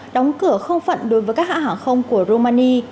đóng cửa không phận đối với các hãng hàng không của romani